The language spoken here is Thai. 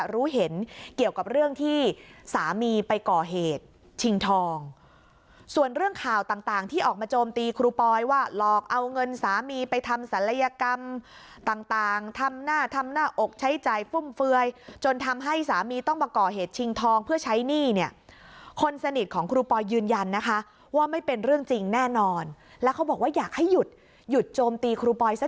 รู้เห็นเกี่ยวกับเรื่องที่สามีไปก่อเหตุชิงทองส่วนเรื่องข่าวต่างที่ออกมาโจมตีครูปอยว่าหลอกเอาเงินสามีไปทำศัลยกรรมต่างทำหน้าทำหน้าอกใช้ใจฟุ่มเฟือยจนทำให้สามีต้องมาก่อเหตุชิงทองเพื่อใช้หนี้เนี่ยคนสนิทของครูปอยยืนยันนะคะว่าไม่เป็นเรื่องจริงแน่นอนแล้วเขาบอกว่าอยากให้หยุดหยุดโจมตีครูปอยซะ